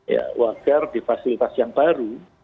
ya wajar di fasilitas yang baru